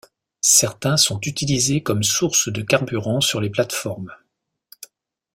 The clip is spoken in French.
Certains sont utilisés comme source de carburant sur les plates-formes.